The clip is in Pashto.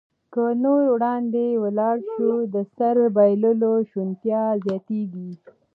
که نور وړاندې ولاړ شو، د سر بایللو شونتیا زیاتېږي.